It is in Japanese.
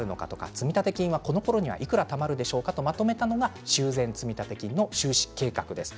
積立金が、このころにはいくらたまるんでしょうかとまとめたのが修繕積立金の収支計画です。